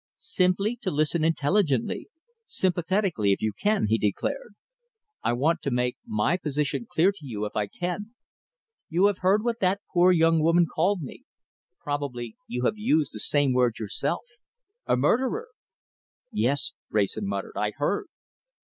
"Simply to listen intelligently sympathetically if you can," he declared. "I want to make my position clear to you if I can. You heard what that poor young woman called me? Probably you would have used the same word yourself. A murderer!" "Yes!" Wrayson muttered. "I heard!"